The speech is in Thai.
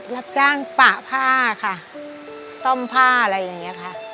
รับจ้างปะผ้าค่ะซ่อมผ้าอะไรอย่างนี้ค่ะ